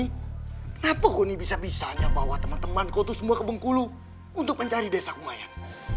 kenapa kok ini bisa bisanya bawa teman temanku itu semua ke bengkulu untuk mencari desa kumayan